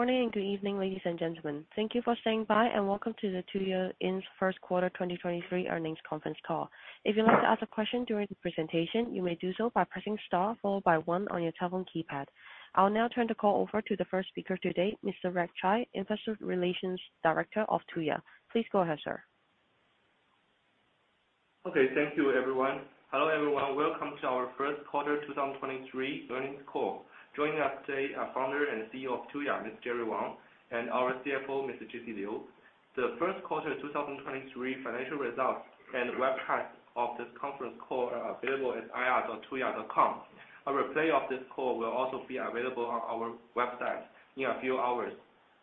Good morning and good evening, ladies and gentlemen. Thank you for staying by and welcome to the Tuya Inc. Q1 2023 earnings conference call. If you'd like to ask a question during the presentation, you may do so by pressing star, followed by one on your telephone keypad. I'll now turn the call over to the first speaker today, Mr. Reg Chai, Investor Relations Director of Tuya. Please go ahead, sir. Okay. Thank you, everyone. Hello, everyone. Welcome to our Q1 2023 earnings call. Joining us today are Founder and CEO of Tuya, Mr. Jerry Wang, and our CFO, Mr. Jessie Liu. The Q1 2023 financial results and the webcast of this conference call are available at ir.tuya.com. A replay of this call will also be available on our website in a few hours.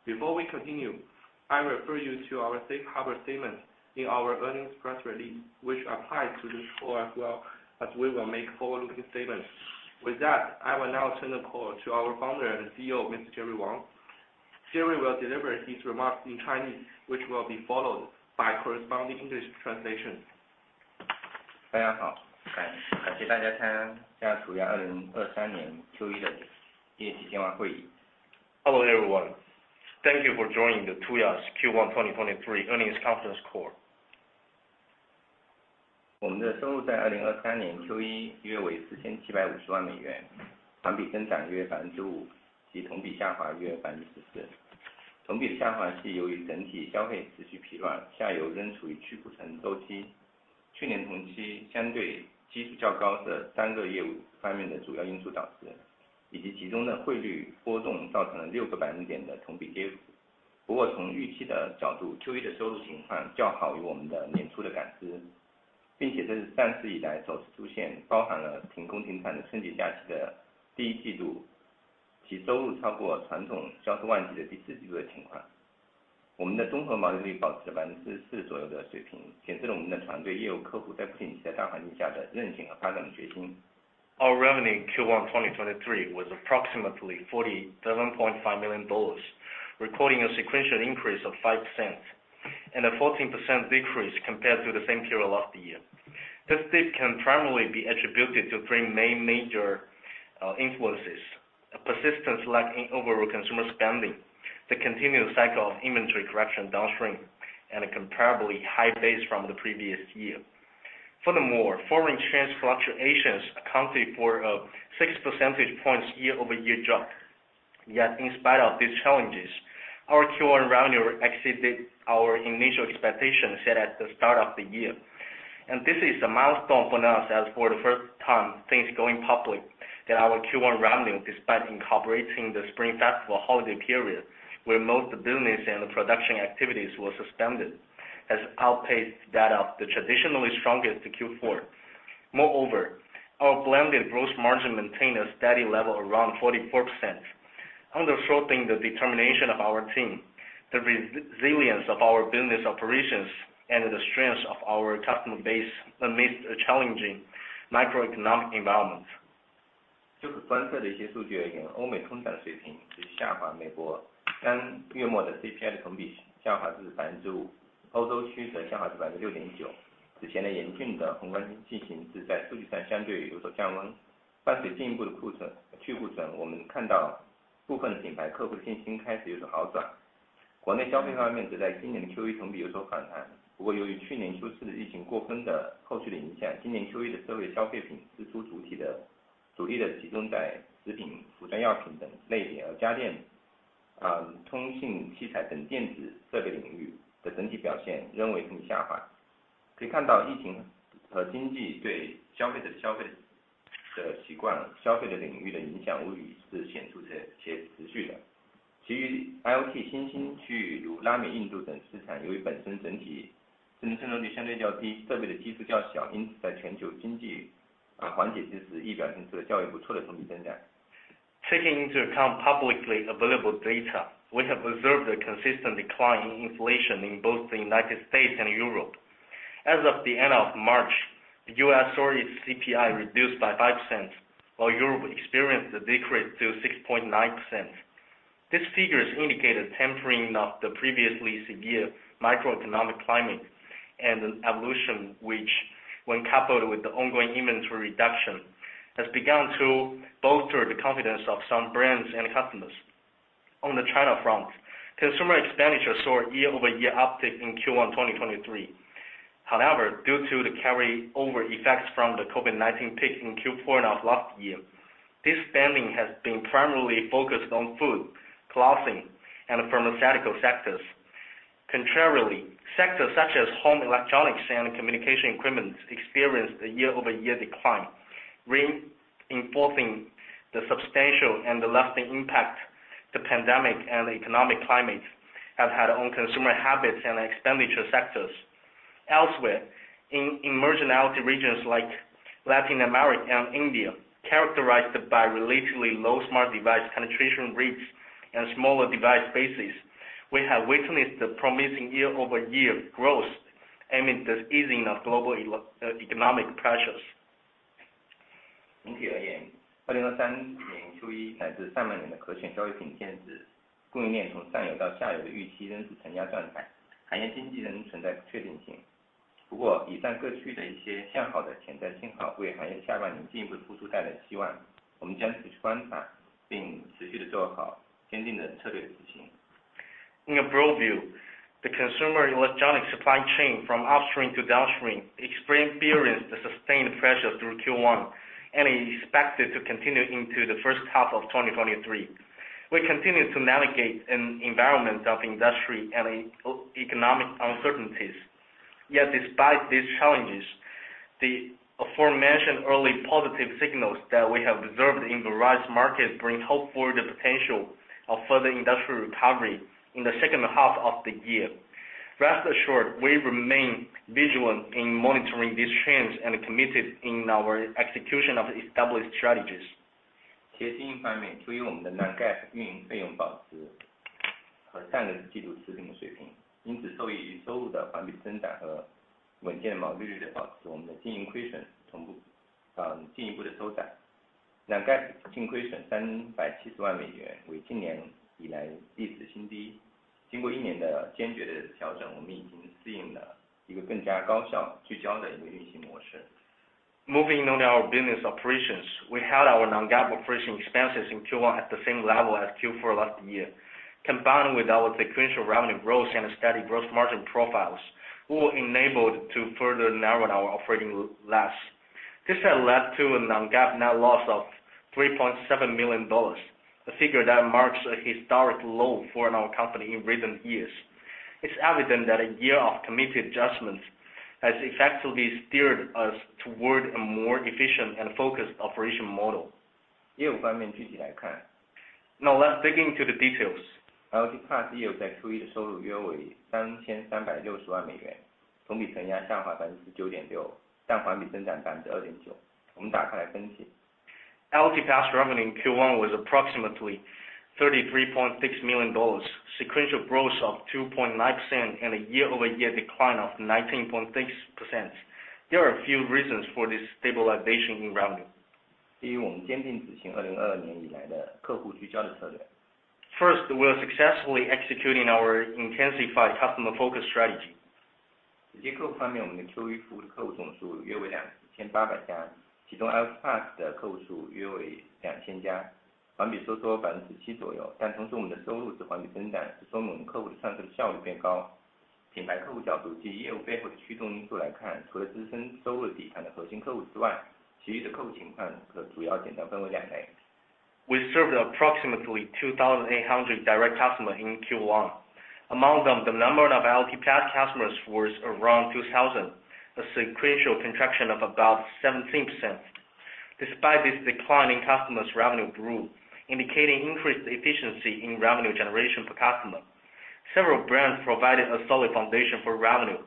Before we continue, I refer you to our safe harbor statement in our earnings press release, which applies to this call as well as we will make forward-looking statements. With that, I will now turn the call to our Founder and CEO, Mr. Jerry Wang. Jerry will deliver his remarks in Chinese, which will be followed by corresponding English translation. Hello, everyone. Thank you for joining the Tuya's Q1 2023 earnings conference call. Our revenue in Q1 2023 was approximately $47.5 million, recording a sequential increase of 5% and a 14% decrease compared to the same period last year. This dip can primarily be attributed to three main major influences: a persistent lack in overall consumer spending, the continued cycle of inventory correction downstream, and a comparably high base from the previous year. Furthermore, foreign exchange fluctuations accounted for six percentage points year-over-year drop. Yet, in spite of these challenges, our Q1 revenue exceeded our initial expectations set at the start of the year. This is a milestone for us as for the first time since going public, that our Q1 revenue, despite incorporating the Spring Festival holiday period, where most business and production activities were suspended, has outpaced that of the traditionally strongest Q4. Moreover, our blended gross margin maintained a steady level around 44%, underscoring the determination of our team, the resilience of our business operations, and the strength of our customer base amidst a challenging macroeconomic environment. Taking into account publicly available data, we have observed a consistent decline in inflation in both the U.S. and Europe. As of the end of March, the U.S. saw its CPI reduced by 5%, while Europe experienced a decrease to 6.9%. These figures indicate a tempering of the previously severe macroeconomic climate and an evolution which, when coupled with the ongoing inventory reduction, has begun to bolster the confidence of some brands and customers. On the China front, consumer expenditure saw a year-over-year uptick in Q1 2023. However, due to the carryover effects from the COVID-19 peak in Q4 of last year, this spending has been primarily focused on food, clothing, and pharmaceutical sectors. Contrarily, sectors such as home electronics and communication equipment experienced a year-over-year decline, reinforcing the substantial and the lasting impact the pandemic and economic climate have had on consumer habits and expenditure sectors. Elsewhere, in emerging regions like Latin America and India, characterized by relatively low smart device penetration rates and smaller device bases, we have witnessed the promising year-over-year growth amid the easing of global economic pressures. 整体而 言， 二零二三年 Q1 乃至上半年的可选消费品减 值， 供应链从上游到下游的预期仍呈下转 态， 行业经济仍存在不确定性。不过也在各区域的一些向好的潜在信 号， 为行业下半年进一步复苏带来期望。我们将持续观 察， 并持续地做好坚定的策略的执行。In a broad view, the consumer electronic supply chain from upstream to downstream experienced a sustained pressure through Q1 and is expected to continue into the first half of 2023. We continue to navigate an environment of industry and eco-economic uncertainties. Despite these challenges, the aforementioned early positive signals that we have observed in the rise markets bring hope for the potential of further industrial recovery in the second half of the year. Rest assured, we remain vigilant in monitoring these trends and committed in our execution of established strategies. 在经营方 面， 由于我们的 non-GAAP 运营费用保持和上个季度持平的水 平， 因此受益于收入的环比增长和稳健的毛利率的保 持， 我们的经营亏损同步进一步的收 窄. Non-GAAP 净亏损 $3.7 million， 为今年以来历史新 低. 经过一年的坚决的调 整， 我们已经适应了一个更加高效聚焦的一个运行模 式. Moving on our business operations, we had our non-GAAP operating expenses in Q1 at the same level as Q4 last year. Combined with our sequential revenue growth and steady gross margin profiles, we were enabled to further narrow our operating loss. This had led to a non-GAAP net loss of $3.7 million, a figure that marks a historic low for our company in recent years. It's evident that a year of committed adjustments has effectively steered us toward a more efficient and focused operation model. 业务方 面， 具体来 看. Let's dig into the details. IoT PaaS 在 Q1 的收入约为 $33.6 million, 同比承压下滑 19.6%, 环比增长 2.9%. 我们打开来分 析. IoT PaaS revenue in Q1 was approximately $33.6 million, sequential growth of 2.9% and a year-over-year decline of 19.6%. There are a few reasons for this stabilization in revenue. 第 一， 我们坚定执行2022年以来的客户聚焦的策 略. First, we are successfully executing our intensified customer focus strategy. 直接客户方 面， 我们的 Q1 服务客户总数约为 2,800 家， 其中 IoT PaaS 的客户数约为 2,000 家 ，环 比收缩 17% 左 右. 同时我们的收入是环比增 长， 这说明我们客户的产生效率变 高. 品牌客户角度及业务背后的驱动因素来 看， 除了支撑收入底盘的核心客户之 外， 其余的客户情况可主要简单分为两 类. We served approximately 2,800 direct customers in Q1. Among them, the number of IoT PaaS customers was around 2,000, a sequential contraction of about 17%. Despite this decline in customers, revenue grew, indicating increased efficiency in revenue generation per customer. Several brands provided a solid foundation for revenue.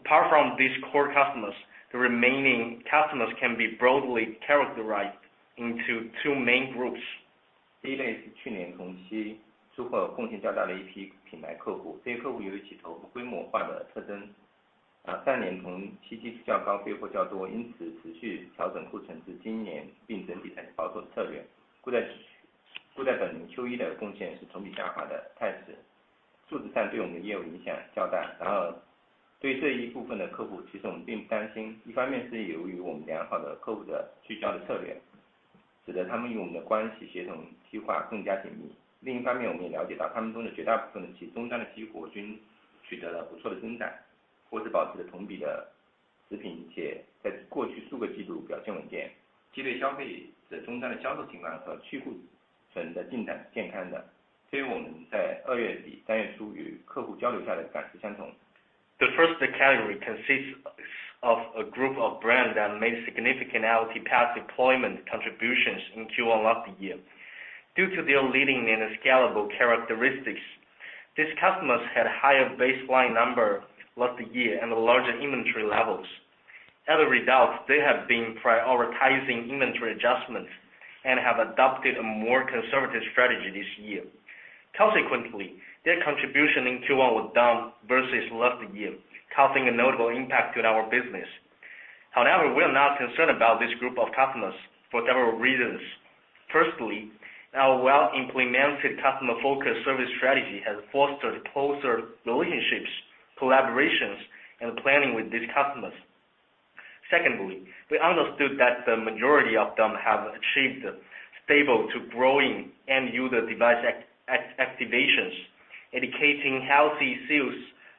Apart from these core customers, the remaining customers can be broadly characterized into two main groups. 第一类是去年同期收获贡献较大的一批品牌客 户， 这些客户由于起步和规模化的特 征， 但连同期基数较 高， 备货较 多， 因此持续调整库存至今 年， 并整体在调整策 略， 故在本年 Q1 的贡献是同比下滑的态 势， 数字上对我们的业务影响较 大. 对这一部分的客 户， 其实我们并不担 心， 一方面是由于我们良好的客户的聚焦的策略，使得他们与我们的关系协同规划更加紧 密. 另一方 面， 我们也了解 到， 他们中的绝大部分的其终端的激活均取得了不错的增 长， 或是保持了同比的持 平， 且在过去数个季度表现稳 健， 其对 消... 此 外， 我们亦观察到一些此前被关店的电商客户有所复 苏， 以及海外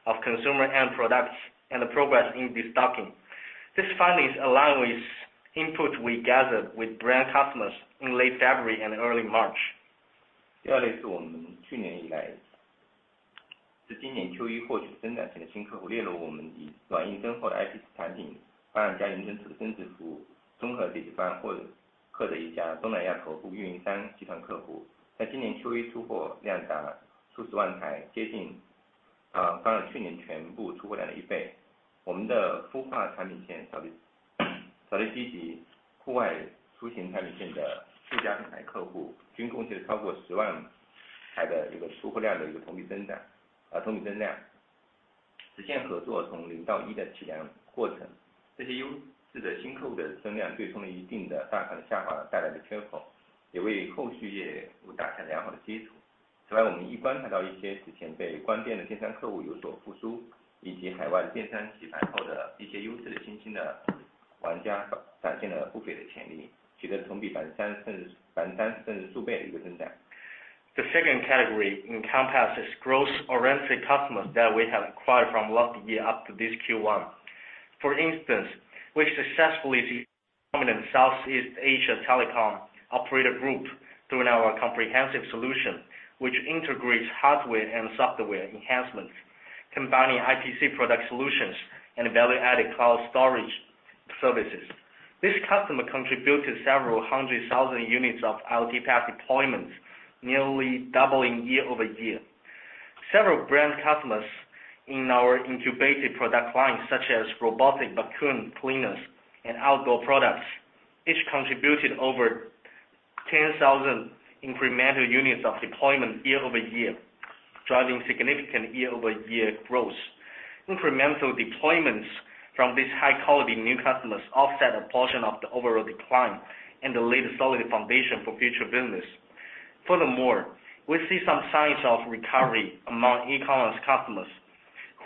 电商洗牌后的一些优势新兴的玩家展现了不菲的潜 力， 取得同比百分之三甚至数倍的一个增长。The second category encompasses gross oriented customers that we have acquired from last year up to this Q1. For instance, we successfully see prominent Southeast Asia telecom operator group through our comprehensive solution, which integrates hardware and software enhancements, combining IPC product solutions and value-added cloud storage services. This customer contributed several hundred thousand units of IoT device deployments, nearly doubling year-over-year. Several brand customers in our incubated product lines, such 组队 问, robotic vacuum cleaners and outdoor products, each contributed over 10,000 incremental units of deployment year-over-year, driving significant year-over-year growth. Incremental deployments from these high-quality new customers offset a portion of the overall decline and laid a solid foundation for future business. Furthermore, we see some signs of recovery among e-commerce customers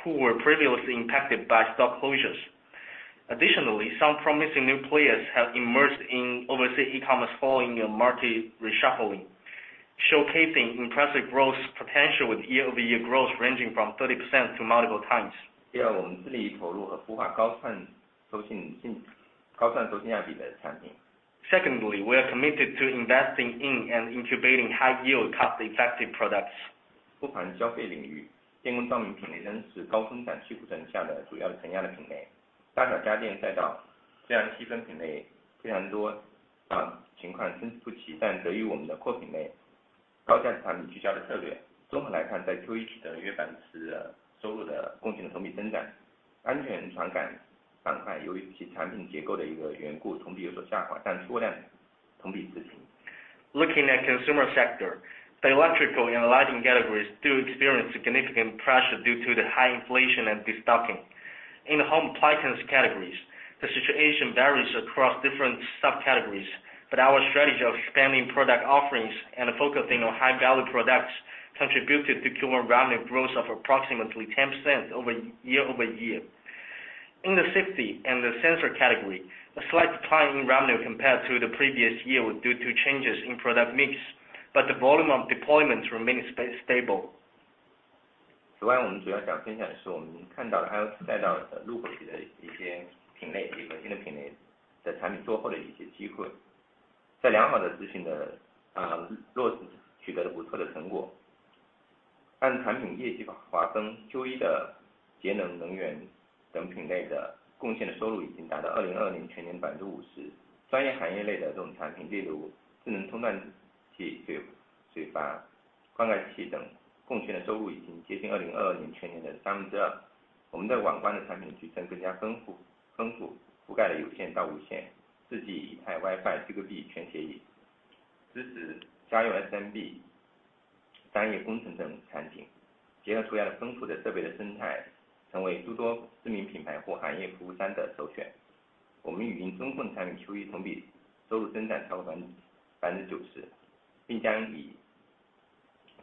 who were previously impacted by store closures. Additionally, some promising new players have emerged in overseas e-commerce following a market reshuffling, showcasing impressive growth potential, with year-over-year growth ranging from 30% to multiple times. 第 二， 我们致力投入和孵化高算收信比的产品。Secondly, we are committed to investing in and incubating high-yield, cost-effective products. 不管消费领 域， 电工照明品类仍是高生产驱动现象的主要承压的品类。大小家电赛道这样细分品类非常 多， 情况参差不 齐， 但得益于我们的货品 类， 高价值产品聚焦的策略。综合来 看， 在 Q1 约 10% 收入的贡献的同比增长。安全传感板块由于其产品结构的一个缘 故， 同比有所下 滑， 但出货量同比持平。Looking at consumer sector, the electrical and lighting categories do experience significant pressure due to the high inflation and de-stocking. In the home appliance categories, the situation varies across different sub-categories, but our strategy of expanding product offerings and focusing on high-value products contributed to quarter revenue growth of approximately 10% year-over-year. In the safety and the sensor category, a slight decline in revenue compared to the previous year was due to changes in product mix, but the volume of deployments remains stable. 此 外， 我们主要想分享的 是， 我们看到的还有在到路口的一些品 类， 一些新的品类的产品落后的一些机 会， 在良好的执行的落 实， 取得了不错的成果。按产品业绩法划 分， Q1 的节能能源等品类的贡献的收入已经达到2020全年 50%。专业行业内的这种产 品， 例如智能中断器、水阀、换气器等，贡献的收入已经接近2022年全年的三分之二。我们的网关的产品矩阵更加丰 富， 覆盖了有线到无 线， 4G、以太、Wi-Fi、ZGB 全协 议， 支持家用 SMB 专业工程等场景。结合出来的丰富的设备的生 态， 成为诸多知名品牌或行业服务商的首选。我们语音中控产品 Q1 同比收入增长超过 90%， 并将以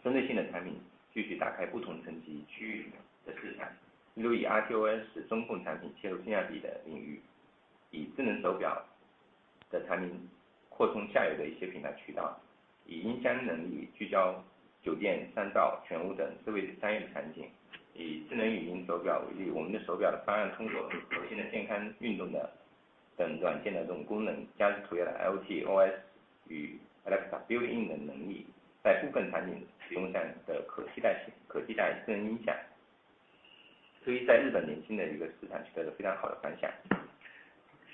针对性的产品继续打开不同层级区域里面的市场。例 如， 以 RTOS 中控产品进入比亚迪的领 域， 以智能手表的产品扩充下游的一些品牌渠 道， 以音箱能力聚焦酒店、商照、全屋等智慧产业场 景， 以智能语音手表为 例， 我们的手表的方案通过核心的健康运动的等软件的这种功 能， 加上所谓的 IoT OS 与 Alexa Built-in 的能 力， 在部分场景使用上的可替代 性， 可替代智能音响。在日本年轻的一个市场取得了非常好的反响。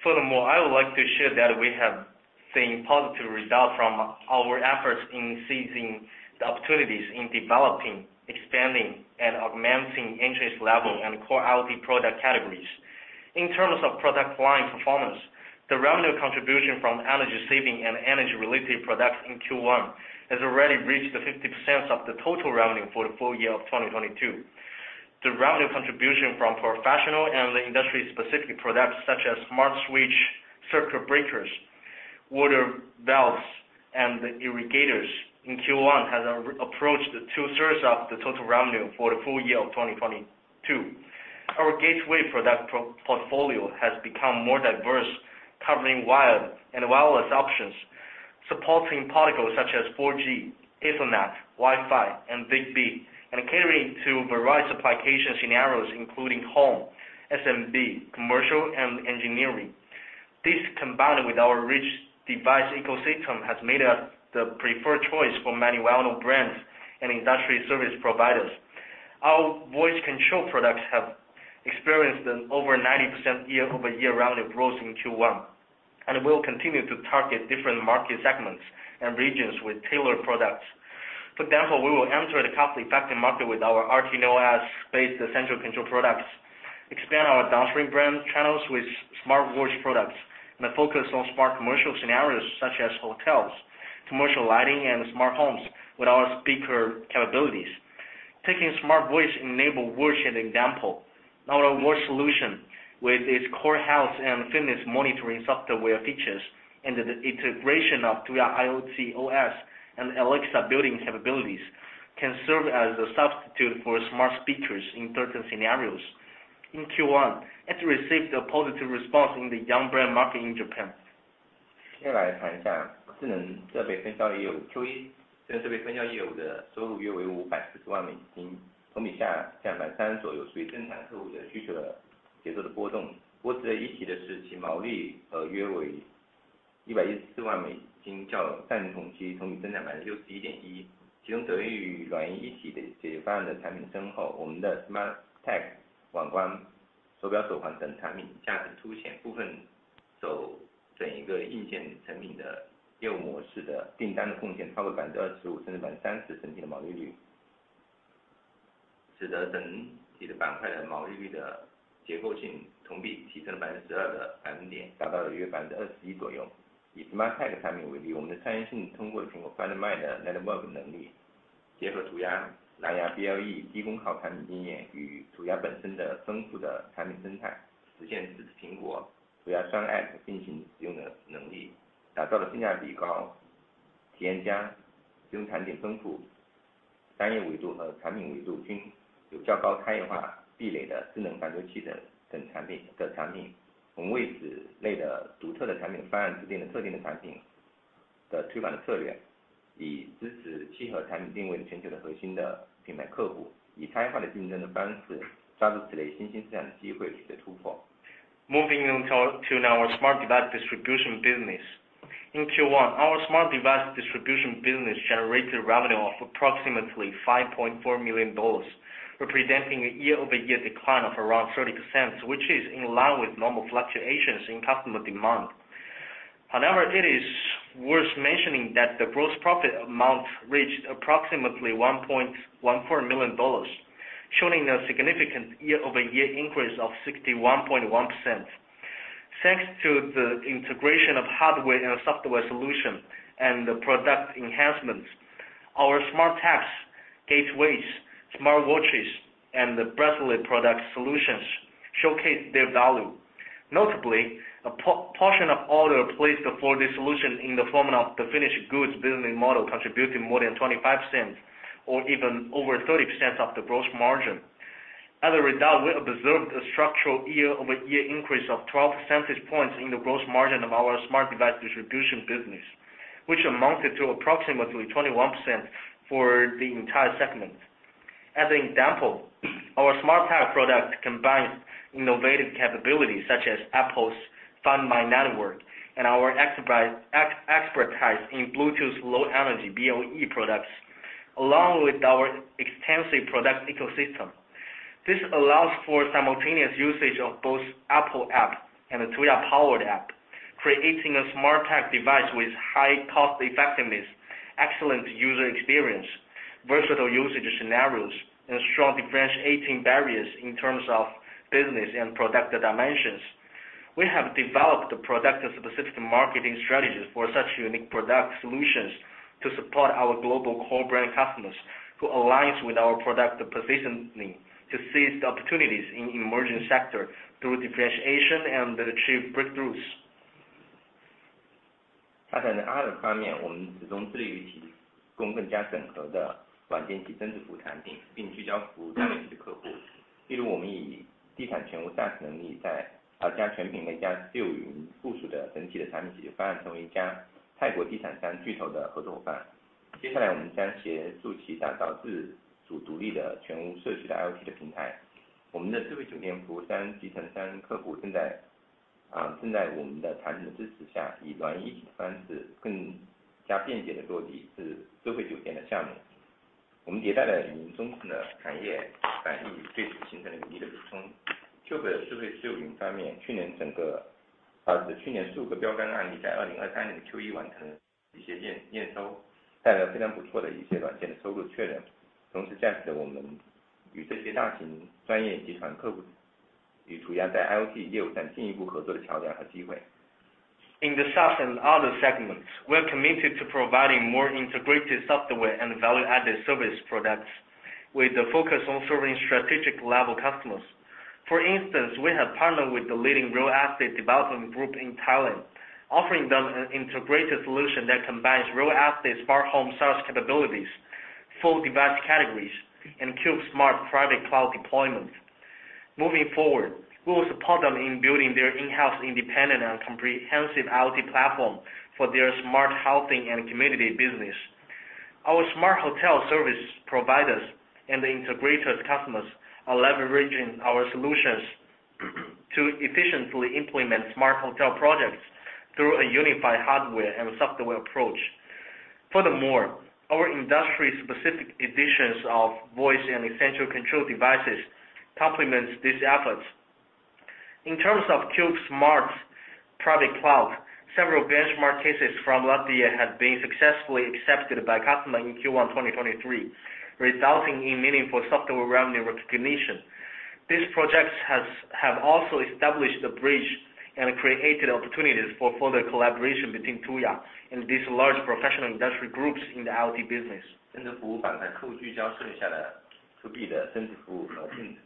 I would like to share that we have seen positive results from our efforts in seizing the opportunities in developing, expanding, and augmenting interest level and core IoT product categories. In terms of product line performance, the revenue contribution from energy-saving and energy-related products in Q1 has already reached the 50% of the total revenue for the full year of 2022. The revenue contribution from professional and industry-specific products such as smart switch, circuit breakers, water valves, and irrigators in Q1 has approached the 2/3 of the total revenue for the full year of 2022. Our gateway product portfolio has become more diverse, covering wide and wireless options, supporting protocols such as 4G, Ethernet, Wi-Fi, and Zigbee, and catering to a variety of application scenarios including home, SMB, commercial, and engineering. This, combined with our rich device ecosystem, has made us the preferred choice for many well-known brands and industry service providers. Our voice control products have experienced an over 90% year-over-year revenue growth in Q1, and we will continue to target different market segments and regions with tailored products. For example, we will enter the cost-effective market with our RTOS-based essential control products, expand our downstream brand channels with Smart Watch products, and focus on smart commercial scenarios such as hotels, commercial lighting, and smart homes with our speaker capabilities. Taking Smart Voice-enabled watch as an example, our watch solution with its core health and fitness monitoring software features and the integration of Tuya IoT OS and Alexa Built-in capabilities, can serve as a substitute for smart speakers in certain scenarios. In Q1, it received a positive response in the young brand market in Japan. Yeah, I can understand. The best thing is Q1. This has been shown you with the roughly $540 million, from the down 3%. You see the customer service request is also the potential. What is it is the key mortality, year way. $1.4 million, compared to last year, an increase of 61.1. It also benefits from Software-as-a-Service product launch. Our Smart Tag, Smart Watch, bracelet, and other products have seen significant price increases, with some hard products accounting for over 25% or even 30% of the gross margin. This shifts the overall gross margin structure of the category by approximately 12 percentage points, reaching around 21%. Taking Smart Tag products as an example, our advantage lies in leveraging Tuya's Find My Network capabilities and our expertise in Bluetooth Low Energy, BLE, products, along with our extensive product ecosystem. This allows for simultaneous usage of both Apple Home and the Tuya-powered app, creating a Smart Tag device with high cost-effectiveness, excellent user experience, versatile usage scenarios, and strong differentiating barriers in terms of business and product dimensions. We have developed a product-specific marketing strategies for such unique product solutions to support our global core brand customers, who aligns with our product positioning to seize opportunities in emerging sector through differentiation and achieve breakthroughs. Moving on to our smart device distribution business. In Q1, our smart device distribution business generated revenue of approximately $5.4 million, representing a year-over-year decline of around 30%, which is in line with normal fluctuations in customer demand. It is worth mentioning that the gross profit amount reached approximately $1.14 million, showing a significant year-over-year increase of 61.1%. Thanks to the integration of hardware and software solution and the product enhancements, our Smart Tags, gateways, Smart Watches, and the bracelet product solutions showcase their value. Notably, a portion of orders placed for this solution in the form of the finished goods business model contributed more than 25% or even over 30% of the gross margin. As a result, we have observed a structural year-over-year increase of 12 percentage points in the gross margin of our smart device distribution business, which amounted to approximately 21% for the entire segment. As an example, our Smart Tag product combines innovative capabilities such as Apple's Find My network and our expertise in Bluetooth Low Energy, BLE, products, along with our extensive product ecosystem. This allows for simultaneous usage of both Apple Home and a Tuya-powered app, creating a smart tag device with high cost-effectiveness, excellent user experience, versatile usage scenarios, and strong differentiating barriers in terms of business and product dimensions. We have developed a product-specific marketing strategies for such unique product solutions to support our global core brand customers, who aligns with our product positioning to seize the opportunities in emerging sector through differentiation and achieve breakthroughs. Other 方 面， 我们始终致力于提供更加整合的软件及增值服务产 品， 并聚焦服务战略级客户。例 如， 我们以地产全屋大屏能 力， 在好家全品类家具有云附属的整体的产品解决方 案， 成为一家泰国地产商巨头的合作伙伴。接下 来， 我们将协助其打造自主独立的全屋社区的 IoT 平台。我们的智慧酒店服务商集团客户正 在， 啊 ，正 在我们的产品的支持下 ，以 软硬一体的方 案， 使更加便捷地落地智慧酒店的项目。我们迭代的云中控的产业 版， 已对此形成了有力的补充。CUBE 的智慧社区云方 面， 去年整 个， 啊， 去年数个标杆案例在二零二三年 Q1 完成一些 验， 验 收， 带来非常不错的一些软件的收入确 认， 同时建立了我们与这些大型专业集团客 户， 与主要在 IoT 业务上进一步合作的桥梁和机会。In the SaaS and other segments, we're committed to providing more integrated software and value-added service products, with a focus on serving strategic-level customers. For instance, we have partnered with the leading real estate development group in Thailand, offering them an integrated solution that combines real estate, smart home, SaaS capabilities, full device categories, and Cube Smart Private Cloud deployment. Moving forward, we will support them in building their in-house, independent, and comprehensive IoT platform for their smart housing and community business. Our smart hotel service providers and the integrated customers are leveraging our solutions to efficiently implement smart hotel projects through a unified hardware and software approach. Furthermore, our industry-specific editions of voice and essential control devices complements these efforts. In terms of Cube Smart Private Cloud, several benchmark cases from last year have been successfully accepted by customers in Q1 2023, resulting in meaningful software revenue recognition. These projects have also established a bridge and created opportunities for further collaboration between Tuya and these large professional industry groups in the IoT business. 增加服务板块客户聚焦剩下的 To B 的增值服务和定制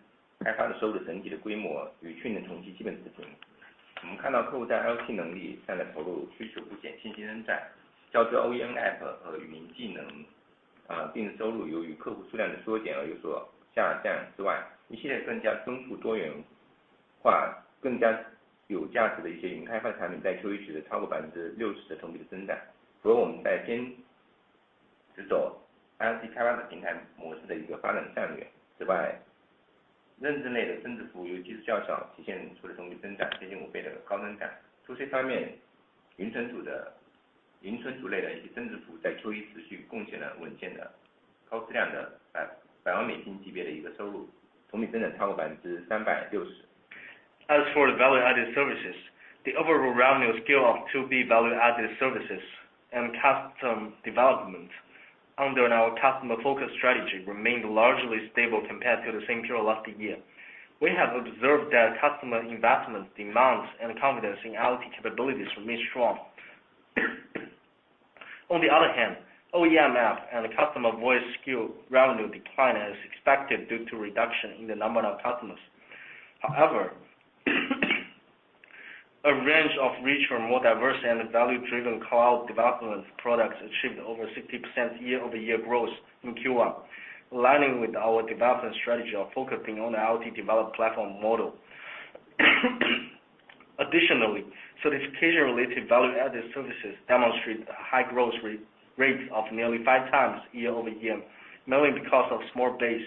开发的收入整体的规模与去年同期基本持平。我们看到客户在 IoT 能力上的投入需求不 减， 信心仍 在， 较之 OEM App 和语音技 能， 啊， 订单收入由于客户数量的缩减而有所下降之 外， 一些更加丰富多元 化， 更加有价值的一些云开发产品在 Q1 时的超过百分之六十的同比增长。所以我们在坚持走 IoT 开发的平台模式的一个发展战略。此 外， 认知类的增值服务由基数较 小， 体现出了同期增长接近五倍的高增长。除此方 面， 云存储 的， 云存储类的一些增值服 务， 在 Q1 持续贡献了稳健的高质量 的， 百， 百万美金级别的一个收 入， 同比增长超过百分之三百六十。As for the value-added services, the overall revenue scale of 2B value-added services and custom development under our customer-focused strategy remained largely stable compared to the same period last year. We have observed that customer investment demands and confidence in IoT capabilities remain strong. OEM App and customer voice skill revenue declined as expected due to reduction in the number of customers. A range of richer, more diverse, and value-driven cloud development products achieved over 60% year-over-year growth in Q1, aligning with our development strategy of focusing on the IoT development platform model. Certification-related value-added services demonstrate a high growth rate of nearly 5x year-over-year, mainly because of small base.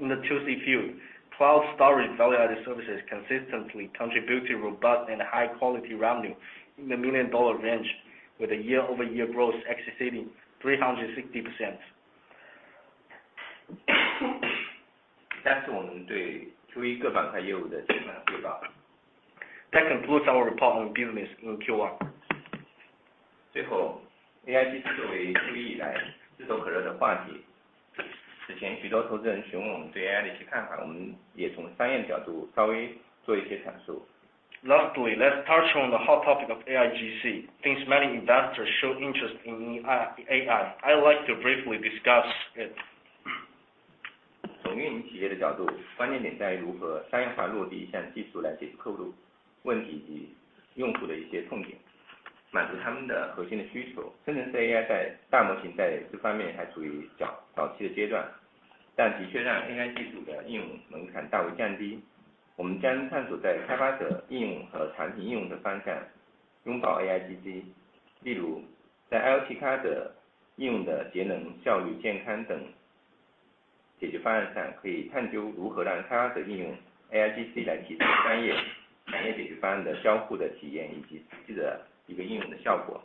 In the 2C field, cloud storage value-added services consistently contribute to robust and high-quality revenue in the million-dollar range, with a year-over-year growth exceeding 360%. 下次我们对 Q1 各板块业务的整体汇 报. That concludes our report on business in Q1. 最 后， AIGC 作为 Q1 以来炙手可热的话题，此前许多投资人询问我们对 AIGC 的看 法， 我们也从商业角度稍微做一些阐述。Lastly, let's touch on the hot topic of AIGC. Since many investors show interest in AI, I'd like to briefly discuss it. 从运营企业的角 度， 关键点在于如何商业化落地一项技术来解决客户问题及用户的一些痛点，满足他们的核心的需求。生成式 AI 在大模型在这方面还处于 早期的阶段， 但的确让 AI 技术的应用门槛大幅降低。我们将探索在开发者应用和产品应用的方 向， 拥抱 AIGC。例 如， 在 IoT 开发者应用的节能、教育、健康等解决方案 上， 可以探究如何让开发者应用 AIGC 来提升商业解决方案的交互的体 验， 以及实际的一个应用的效果。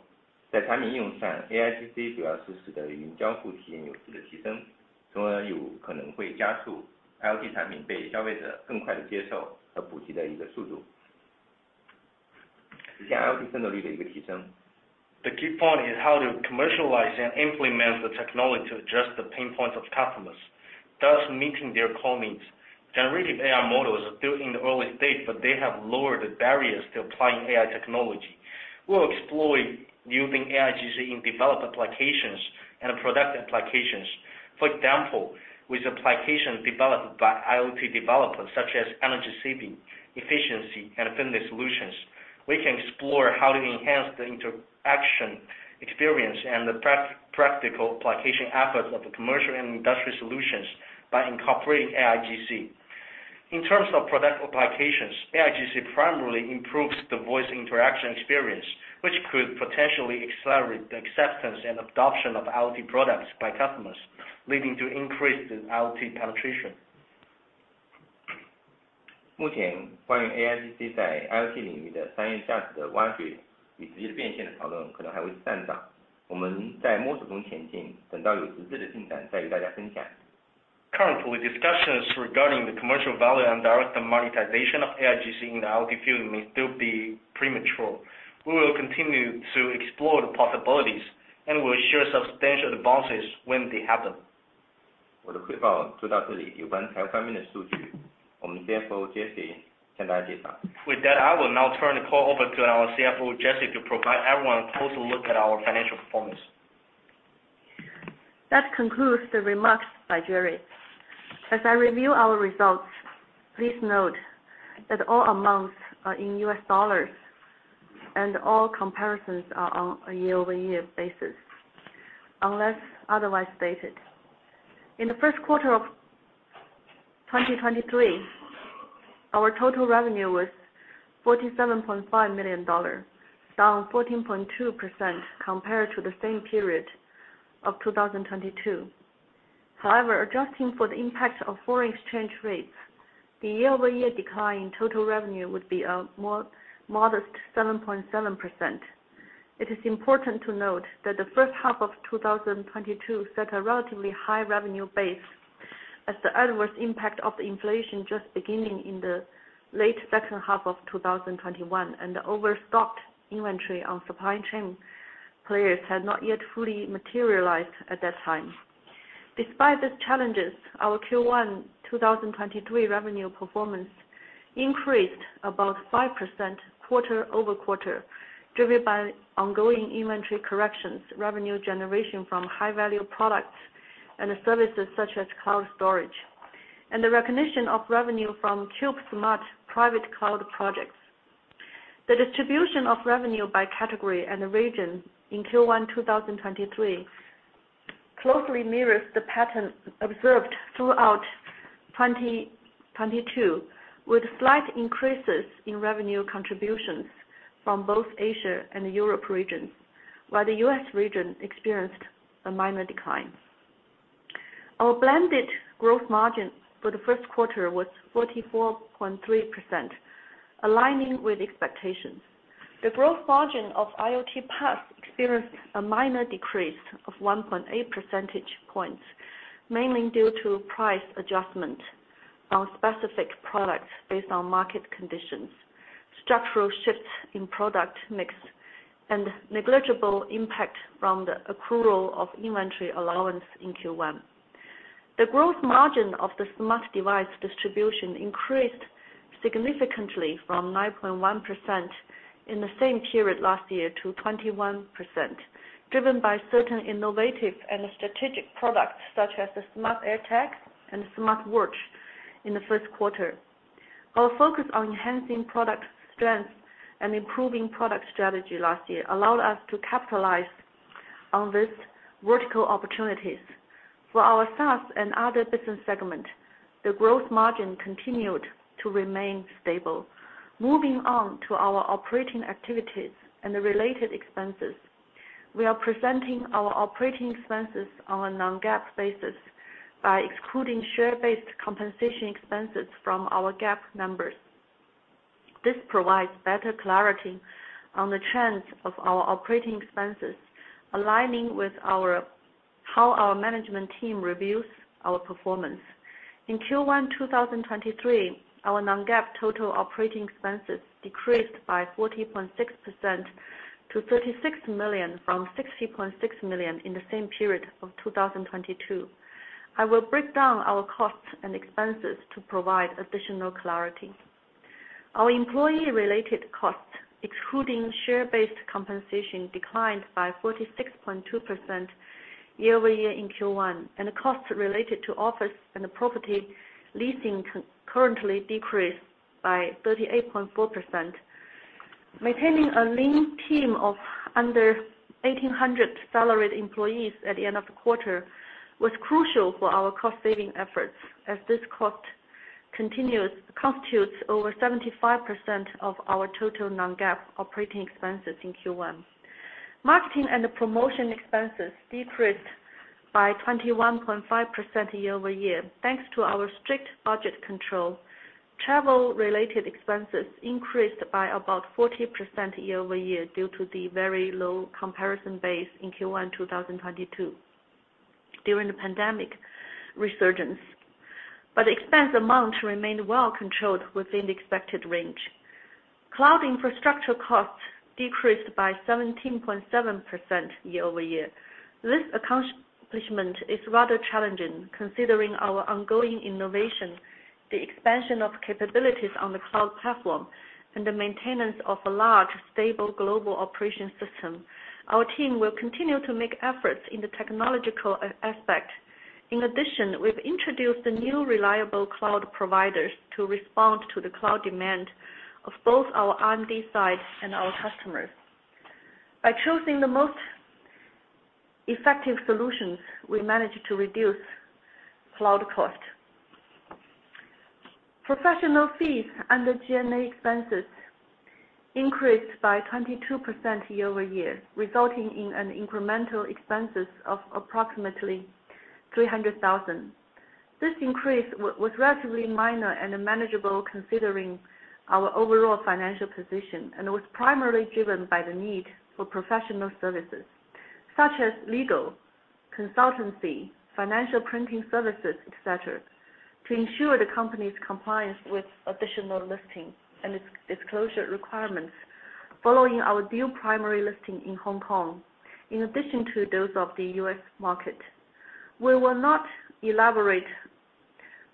在产品应用 上， AIGC 主要促使的语音交互体验有质的提 升， 从而有可能会加速 IoT 产品被消费者更快地接受和普及的一个速 度， 以及 IoT 渗透率的一个提升。The key point is how to commercialize and implement the technology to address the pain points of customers, thus meeting their core needs. Generative AI models are still in the early stage. They have lowered the barriers to applying AI technology. We'll explore using AIGC in developer applications and product applications. For example, with applications developed by IoT developers such as energy saving, efficiency, and friendly solutions, we can explore how to enhance the interaction, experience, and the practical application efforts of the commercial and industrial solutions by incorporating AIGC. In terms of product applications, AIGC primarily improves the voice interaction experience, which could potentially accelerate the acceptance and adoption of IoT products by customers, leading to increased IoT penetration. 目 前， 关于 AIGC 在 IoT 领域的商业价值的挖掘与直接变现的讨论可能还为时尚 早， 我们在摸索中前 进， 等到有实质的进展再与大家分 享. Currently, discussions regarding the commercial value and direct monetization of AIGC in the IoT field may still be premature. We will continue to explore the possibilities, and we'll share substantial advances when they happen. 我的汇报就到这 里， 有关财务方面的数 据， 我们 CFO Jessie 现在介绍。With that, I will now turn the call over to our CFO, Jessie, to provide everyone a closer look at our financial performance. That concludes the remarks by Jerry. As I review our results, please note that all amounts are in U.S. dollars, and all comparisons are on a year-over-year basis, unless otherwise stated. In the Q1 of 2023, our total revenue was $47.5 million, down 14.2% compared to the same period of 2022. However, adjusting for the impact of foreign exchange rates, the year-over-year decline in total revenue would be a more modest 7.7%. It is important to note that the first half of 2022 set a relatively high revenue base, as the adverse impact of inflation just beginning in the late second half of 2021, and the overstocked inventory on supply chain players had not yet fully materialized at that time. Despite these challenges, our Q1 2023 revenue performance increased about 5% quarter-over-quarter, driven by ongoing inventory corrections, revenue generation from high-value products and services such as cloud storage, and the recognition of revenue from Cube Private Cloud projects. The distribution of revenue by category and the region in Q1 2023 closely mirrors the pattern observed throughout 2022, with slight increases in revenue contributions from both Asia and Europe regions, while the U.S. region experienced a minor decline. Our blended gross margin for the Q1 was 44.3%, aligning with expectations. The gross margin of IoT PaaS experienced a minor decrease of 1.8 percentage points, mainly due to price adjustment on specific products based on market conditions, structural shifts in product mix, and negligible impact from the accrual of inventory allowance in Q1. The growth margin of the smart device distribution increased significantly from 9.1% in the same period last year to 21%, driven by certain innovative and strategic products such as the Smart Tag and Smart Watch in the Q1. Our focus on enhancing product strength and improving product strategy last year allowed us to capitalize on these vertical opportunities. For our SaaS and other business segment, the growth margin continued to remain stable. Moving on to our operating activities and the related expenses. We are presenting our operating expenses on a non-GAAP basis by excluding share-based compensation expenses from our GAAP numbers. This provides better clarity on the trends of our operating expenses, aligning with how our management team reviews our performance. In Q1 2023, our non-GAAP total operating expenses decreased by 40.6% to $36 million, from $60.6 million in the same period of 2022. I will break down our costs and expenses to provide additional clarity. Our employee-related costs, excluding share-based compensation, declined by 46.2% year-over-year in Q1, and the costs related to office and the property leasing currently decreased by 38.4%. Maintaining a lean team of under 1,800 salaried employees at the end of the quarter, was crucial for our cost-saving efforts, as this cost constitutes over 75% of our total non-GAAP operating expenses in Q1. Marketing and promotion expenses decreased by 21.5% year-over-year, thanks to our strict budget control. Travel-related expenses increased by about 40% year-over-year, due to the very low comparison base in Q1 2022, during the pandemic resurgence, but expense amount remained well controlled within the expected range. Cloud infrastructure costs decreased by 17.7% year-over-year. This accomplishment is rather challenging, considering our ongoing innovation, the expansion of capabilities on the cloud platform, and the maintenance of a large, stable global operation system. Our team will continue to make efforts in the technological aspect. In addition, we've introduced the new reliable cloud providers to respond to the cloud demand of both our R&D side and our customers. By choosing the most effective solutions, we managed to reduce cloud cost. Professional fees and the G&A expenses increased by 22% year-over-year, resulting in an incremental expenses of approximately $300,000. This increase was relatively minor and manageable, considering our overall financial position, and was primarily driven by the need for professional services such as legal, consultancy, financial printing services, et cetera, to ensure the company's compliance with additional listing and disclosure requirements following our dual primary listing in Hong Kong, in addition to those of the U.S. market. We will not elaborate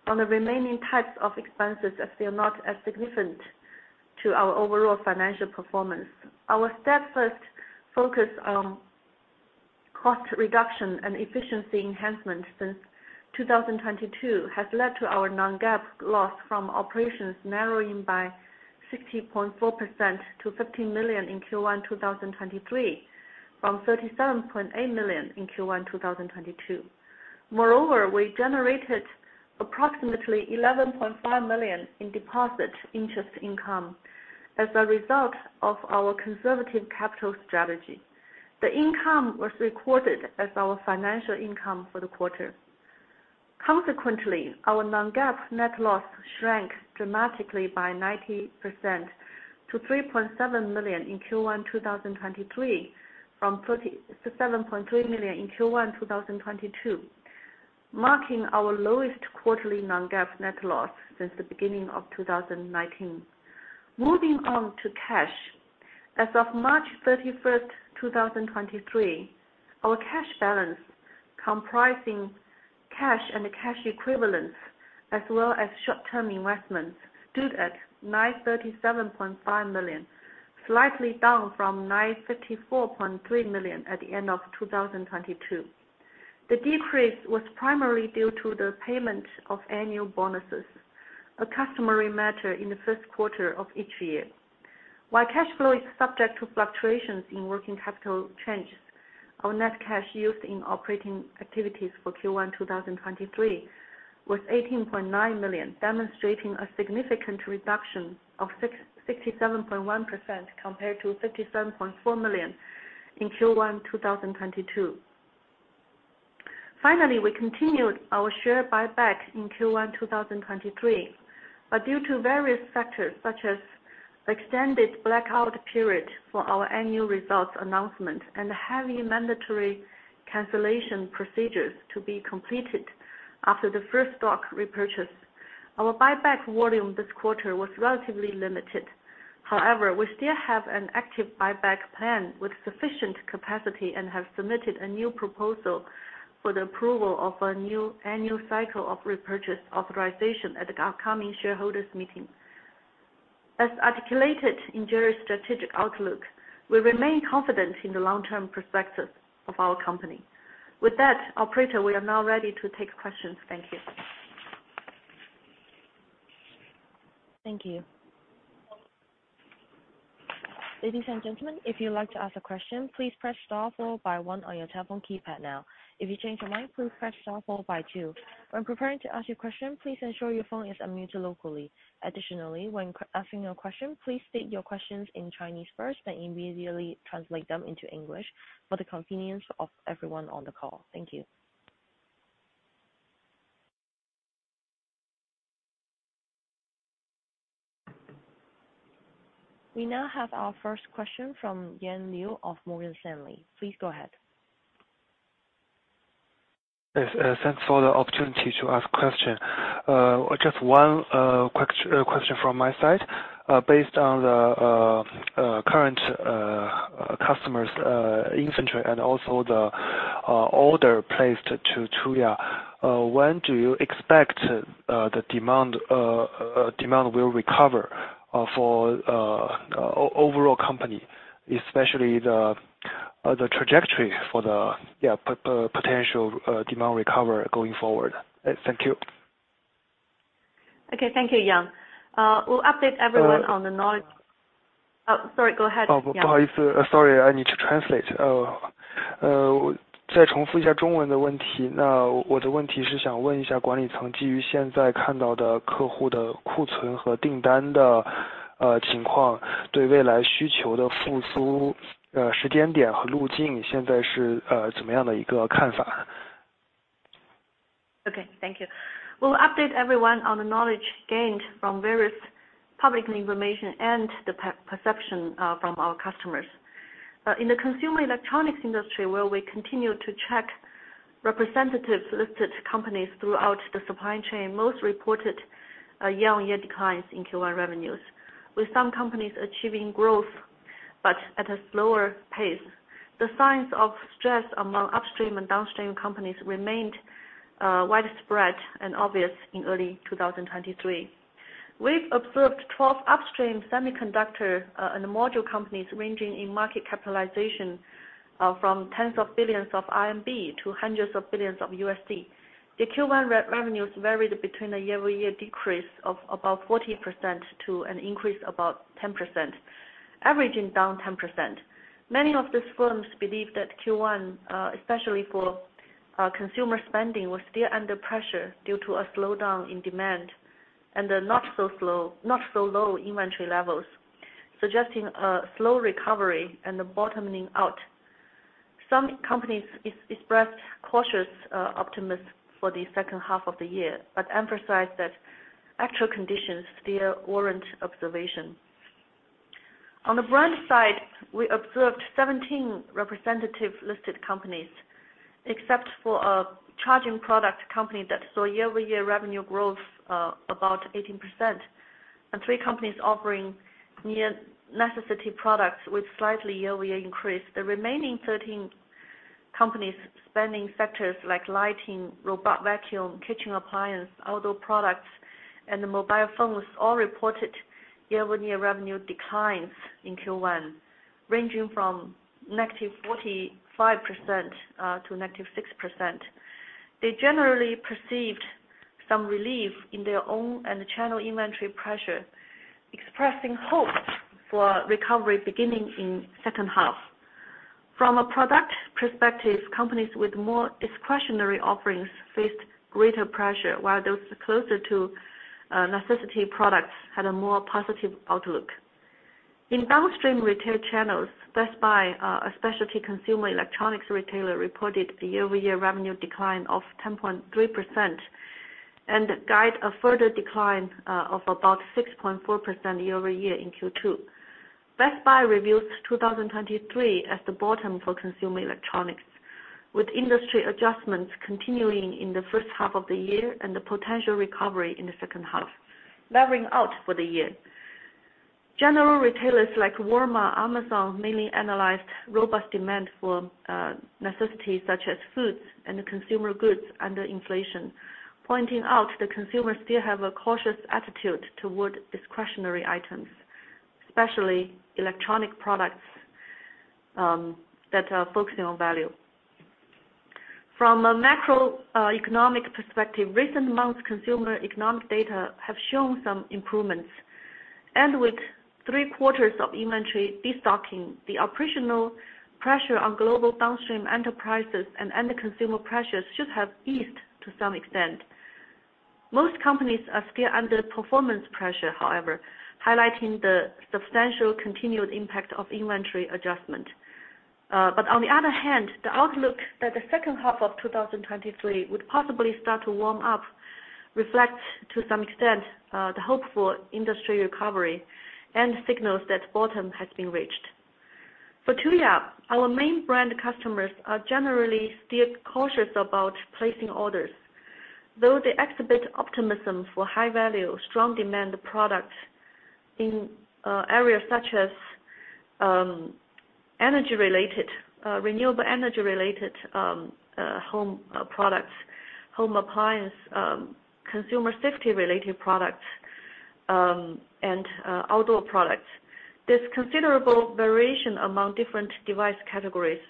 on the remaining types of expenses, as they are not as significant to our overall financial performance. Our steadfast focus on cost reduction and efficiency enhancement since 2022, has led to our non-GAAP loss from operations narrowing by 60.4% to $15 million in Q1 2023, from $37.8 million in Q1 2022. Moreover, we generated approximately $11.5 million in deposit interest income as a result of our conservative capital strategy. The income was recorded as our financial income for the quarter. Consequently, our non-GAAP net loss shrank dramatically by 90% to $3.7 million in Q1 2023, from $37.3 million in Q1 2022. Marking our lowest quarterly non-GAAP net loss since the beginning of 2019. Moving on to cash. As of March 31, 2023, our cash balance, comprising cash and cash equivalents, as well as short-term investments, stood at $937.5 million, slightly down from $954.3 million at the end of 2022. The decrease was primarily due to the payment of annual bonuses, a customary matter in the Q1 of each year. While cash flow is subject to fluctuations in working capital changes, our net cash used in operating activities for Q1 2023 was $18.9 million, demonstrating a significant reduction of 67.1% compared to $57.4 million in Q1 2022. We continued our share buyback in Q1 2023, but due to various factors such as extended blackout period for our annual results announcement and heavy mandatory cancellation procedures to be completed after the first stock repurchase, our buyback volume this quarter was relatively limited. We still have an active buyback plan with sufficient capacity and have submitted a new proposal for the approval of a new annual cycle of repurchase authorization at the upcoming shareholders meeting. As articulated in Jerry's strategic outlook, we remain confident in the long-term prospects of our company. With that, operator, we are now ready to take questions. Thank you. Thank you. Ladies and gentlemen, if you'd like to ask a question, please press star four by one on your telephone keypad now. If you change your mind, please press star four by two. When preparing to ask your question, please ensure your phone is unmuted locally. Additionally, when asking your question, please state your questions in Chinese first, then immediately translate them into English for the convenience of everyone on the call. Thank you. We now have our first question from Yang Liu of Morgan Stanley. Please go ahead. Yes, thanks for the opportunity to ask question. Just one question from my side. Based on the current customers inventory and also the order placed to Tuya, when do you expect the demand will recover for overall company, especially the trajectory for the potential demand recovery going forward? Thank you. Okay, thank you, Yan. We'll update everyone. Uh. Sorry, go ahead. Oh, sorry, I need to translate. Okay, thank you. We'll update everyone on the knowledge gained from various public information and the perception from our customers. In the consumer electronics industry, where we continue to check representatives listed companies throughout the supply chain, most reported a year-on-year declines in Q1 revenues, with some companies achieving growth but at a slower pace. The signs of stress among upstream and downstream companies remained widespread and obvious in early 2023. We've observed 12 upstream semiconductor and module companies ranging in market capitalization from tens of billions of RMB to hundreds of billions of USD. The Q1 revenues varied between a year-over-year decrease of about 40% to an increase of about 10%, averaging down 10%. Many of these firms believe that Q1, especially for consumer spending, was still under pressure due to a slowdown in demand and not so low inventory levels, suggesting a slow recovery and a bottoming out. Some companies expressed cautious optimism for the second half of the year, but emphasized that actual conditions still warrant observation. On the brand side, we observed 17 representative listed companies, except for a charging product company that saw year-over-year revenue growth about 18%, and 3 companies offering near necessity products with slightly year-over-year increase. The remaining 13 companies spanning sectors like lighting, robot vacuum, kitchen appliance, outdoor products, and mobile phones, all reported year-over-year revenue declines in Q1, ranging from -45% to -6%. They generally perceived some relief in their own and channel inventory pressure, expressing hope for recovery beginning in second half. From a product perspective, companies with more discretionary offerings faced greater pressure, while those closer to necessity products had a more positive outlook. In downstream retail channels, Best Buy, a specialty consumer electronics retailer, reported a year-over-year revenue decline of 10.3% and guide a further decline of about 6.4% year-over-year in Q2. Best Buy reveals 2023 as the bottom for consumer electronics, with industry adjustments continuing in the first half of the year and the potential recovery in the second half, leveling out for the year. General retailers like Walmart, Amazon, mainly analyzed robust demand for necessities such as foods and consumer goods under inflation, pointing out the consumers still have a cautious attitude toward discretionary items, especially electronic products that are focusing on value. From a macroeconomic perspective, recent months consumer economic data have shown some improvements. With three-quarters of inventory destocking, the operational pressure on global downstream enterprises and end consumer pressures should have eased to some extent. Most companies are still under performance pressure, however, highlighting the substantial continued impact of inventory adjustment. On the other hand, the outlook that the second half of 2023 would possibly start to warm up, reflects, to some extent, the hopeful industry recovery and signals that bottom has been reached. For Tuya, our main brand customers are generally still cautious about placing orders. Though they exhibit optimism for high-value, strong demand products in areas such as energy-related, renewable energy-related, home products, home appliance, consumer safety-related products, and outdoor products. There's considerable variation among different device categories,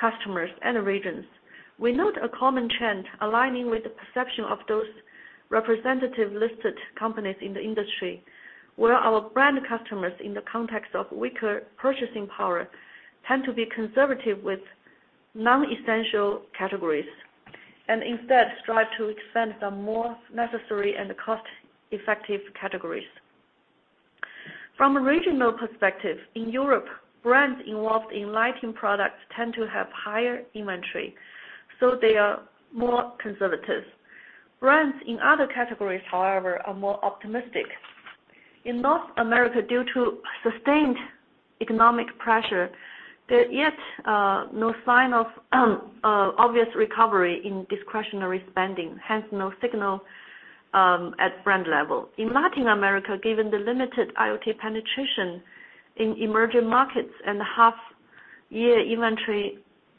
customers, and regions. We note a common trend aligning with the perception of those representative listed companies in the industry, where our brand customers, in the context of weaker purchasing power, tend to be conservative with non-essential categories, and instead strive to expand some more necessary and cost-effective categories. From a regional perspective, in Europe, brands involved in lighting products tend to have higher inventory, so they are more conservative. Brands in other categories, however, are more optimistic. In North America, due to sustained economic pressure, there yet no sign of obvious recovery in discretionary spending, hence no signal at brand level. In Latin America, given the limited IoT penetration in emerging markets and half year inventory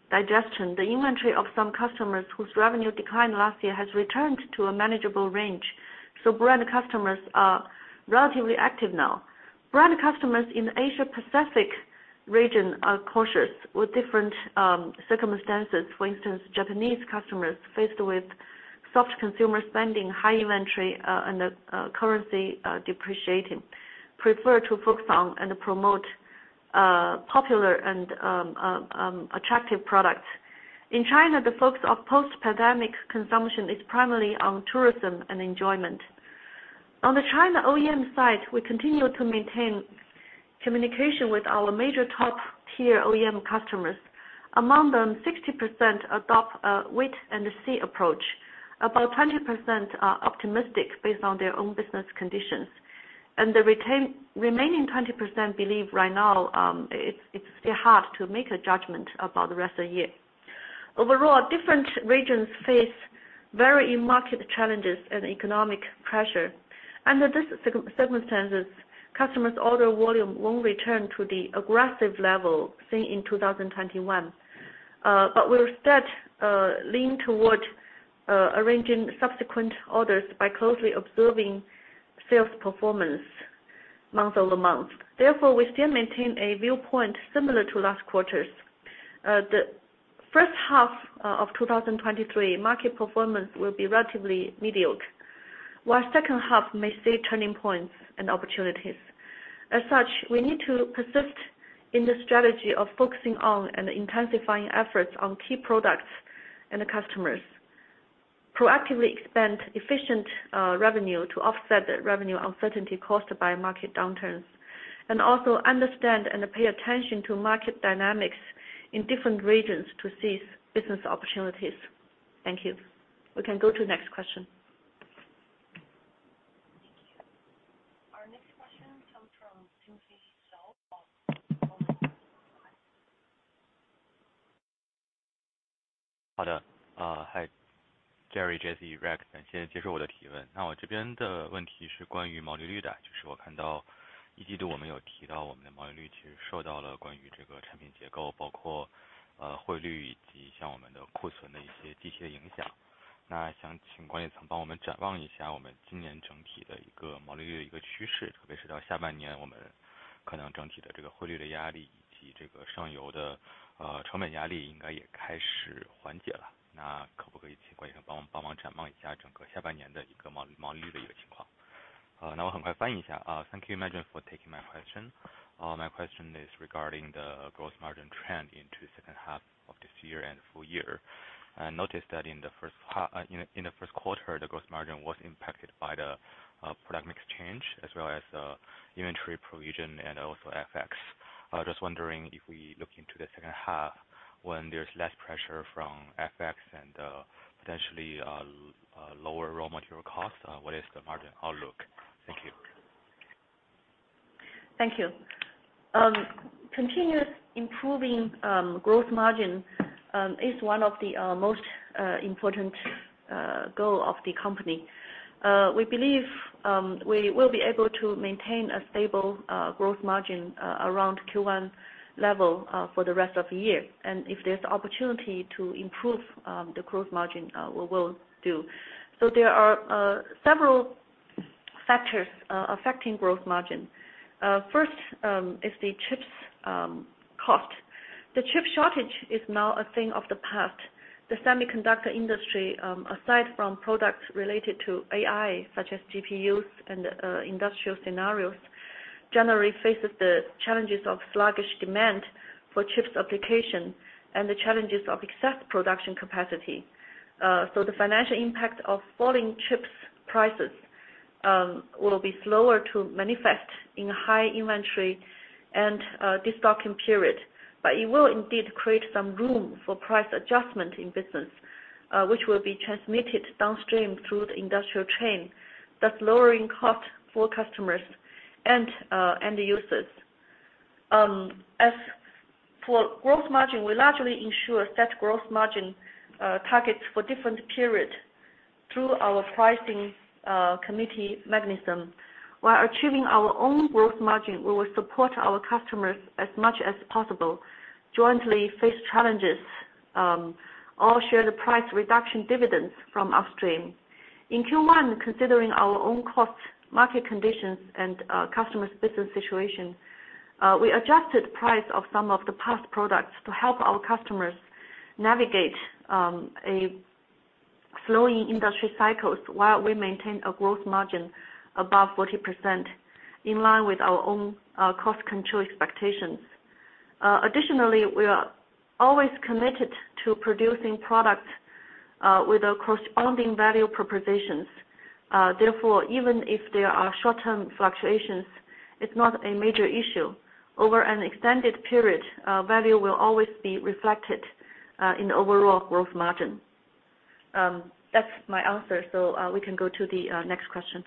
digestion, the inventory of some customers whose revenue declined last year has returned to a manageable range. Brand customers are relatively active now. Brand customers in Asia Pacific region are cautious with different circumstances. For instance, Japanese customers faced with soft consumer spending, high inventory, and the currency depreciating, prefer to focus on and promote popular and attractive products. In China, the focus of post-pandemic consumption is primarily on tourism and enjoyment. On the China OEM side, we continue to maintain communication with our major top-tier OEM customers. Among them, 60% adopt a wait-and-see approach. About 20% are optimistic based on their own business conditions, and the remaining 20% believe right now, it's still hard to make a judgment about the rest of the year. Overall, different regions face varying market challenges and economic pressure. Under these circumstances, customers' order volume won't return to the aggressive level seen in 2021, but will instead lean towards arranging subsequent orders by closely observing sales performance month-over-month. Therefore, we still maintain a viewpoint similar to last quarters. The first half of 2023, market performance will be relatively mediocre, while second half may see turning points and opportunities. As such, we need to persist in the strategy of focusing on and intensifying efforts on key products and the customers. Proactively expand efficient revenue to offset the revenue uncertainty caused by market downturns, and also understand and pay attention to market dynamics in different regions to seize business opportunities. Thank you. We can go to the next question. Thank you. Our next question comes from Timothy Zhao of Goldman Sachs. Hi, there. Hi, Jerry, Jessie, Reg, thanks. Thank you for taking my question. My question is regarding the gross margin trend into second half of this year and full year. I noticed that in the first half, in the Q1, the gross margin was impacted by the product mix change as well as inventory provision and also FX. Just wondering if we look into the second half, when there's less pressure from FX and, potentially, lower raw material costs, what is the margin outlook? Thank you. Thank you. Continuous improving growth margin is one of the most important goal of the company. We believe we will be able to maintain a stable growth margin around Q1 level for the rest of the year. If there's opportunity to improve the growth margin, we will do. There are several factors affecting growth margin. First is the chips cost. The chip shortage is now a thing of the past. The semiconductor industry, aside from products related to AI, such as GPUs and industrial scenarios, generally faces the challenges of sluggish demand for chips application and the challenges of excess production capacity. The financial impact of falling chips prices will be slower to manifest in high inventory and destocking period, but it will indeed create some room for price adjustment in business, which will be transmitted downstream through the industrial chain, thus lowering cost for customers and end users. As for growth margin, we largely ensure set growth margin targets for different period through our pricing committee mechanism. While achieving our own growth margin, we will support our customers as much as possible, jointly face challenges, or share the price reduction dividends from upstream. In Q1, considering our own cost, market conditions, and customers' business situation, we adjusted price of some of the past products to help our customers navigate a slowing industry cycles while we maintain a growth margin above 40%, in line with our own cost control expectations. Additionally, we are always committed to producing product with a corresponding value propositions. Therefore, even if there are short-term fluctuations, it's not a major issue. Over an extended period, value will always be reflected in the overall growth margin. That's my answer, so we can go to the next question.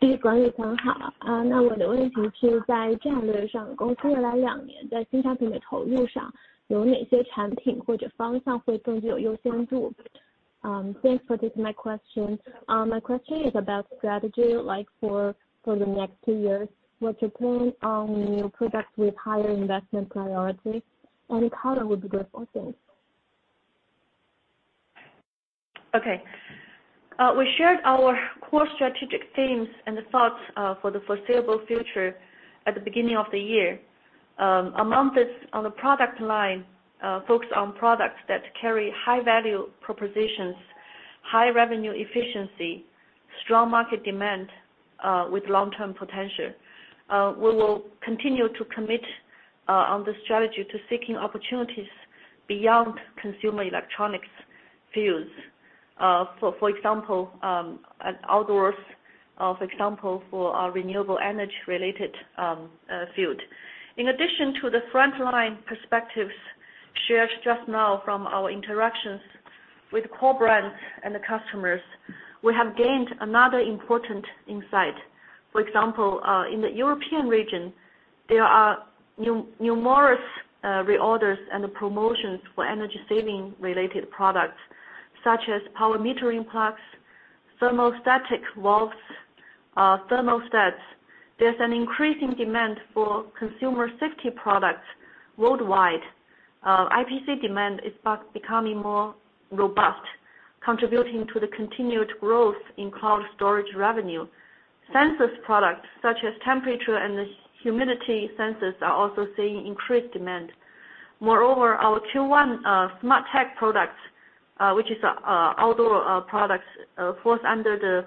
Thanks for taking my question. My question is about strategy, like, for the next two years. What's your plan on new products with higher investment priority, and how that would be good for things? Okay. We shared our core strategic themes and the thoughts for the foreseeable future at the beginning of the year. Among this, on the product line, focus on products that carry high value propositions, high revenue efficiency, strong market demand with long-term potential. We will continue to commit on the strategy to seeking opportunities beyond consumer electronics fields. For example, an outdoors, for example, for our renewable energy-related field. In addition to the frontline perspectives shared just now from our interactions with core brands and the customers, we have gained another important insight. For example, in the European region, there are numerous reorders and promotions for energy saving related products, such as power metering plugs, thermostatic valves, thermostats. There's an increasing demand for consumer safety products worldwide. IPC demand is fast becoming more robust, contributing to the continued growth in cloud storage revenue. Sensors products, such as temperature and humidity sensors, are also seeing increased demand. Our Q1 smart tech products, which is outdoor products, falls under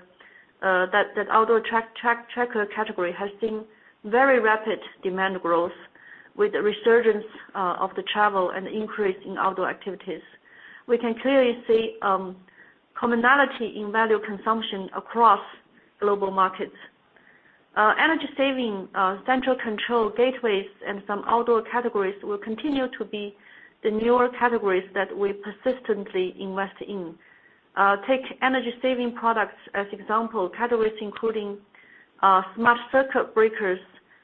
that outdoor tracker category, has seen very rapid demand growth with the resurgence of the travel and increase in outdoor activities. We can clearly see commonality in value consumption across global markets. Energy saving, central control gateways and some outdoor categories will continue to be the newer categories that we persistently invest in. Take energy saving products as example. Categories including smart circuit breakers,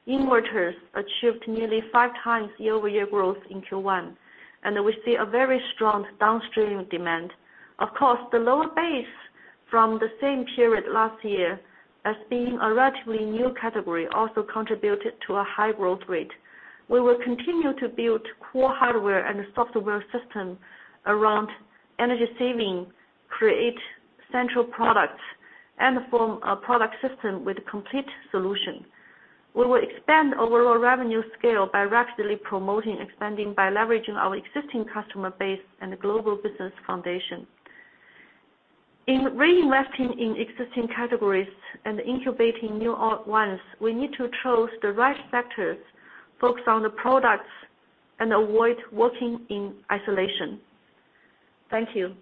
inverters, achieved nearly 5x year-over-year growth in Q1, and we see a very strong downstream demand. Of course, the lower base from the same period last year, as being a relatively new category, also contributed to a high growth rate. We will continue to build core hardware and software system around energy saving, create central products, and form a product system with a complete solution. We will expand overall revenue scale by rapidly promoting, expanding, by leveraging our existing customer base and global business foundation. In reinvesting in existing categories and incubating new ones, we need to choose the right sectors, focus on the products, and avoid working in isolation. Thank you.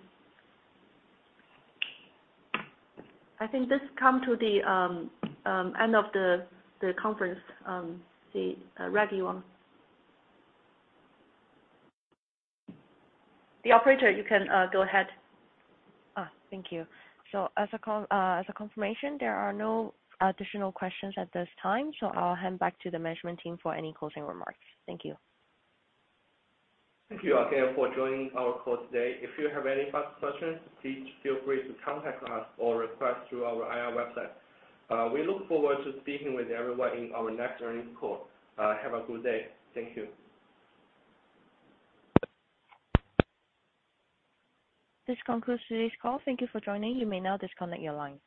I think this come to the end of the conference, the ready one. The operator, you can go ahead. Thank you. As a confirmation, there are no additional questions at this time, so I'll hand back to the management team for any closing remarks. Thank you. Thank you again for joining our call today. If you have any further questions, please feel free to contact us or request through our IR website. We look forward to speaking with everyone in our next earnings call. Have a good day. Thank you. This concludes today's call. Thank you for joining. You may now disconnect your line.